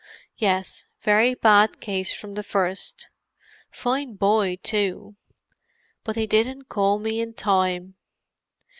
"Yes; very bad case from the first. Fine boy, too—but they didn't call me in time.